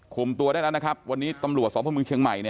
คุมตัวได้แล้ววันนี้ตำรวจสวมพระพรุ่งเชียงใหม่